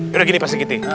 yaudah gini pak sri kitty